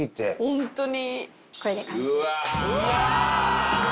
ホントに。